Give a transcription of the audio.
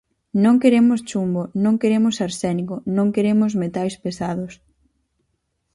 Non queremos chumbo, non queremos arsénico, non queremos metais pesados.